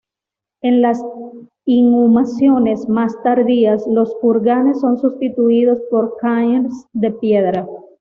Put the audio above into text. En las inhumaciones más tardías los kurganes son sustituidos por "cairns" de piedra.